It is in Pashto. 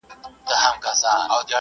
زه پرون انځورونه رسم کوم؟!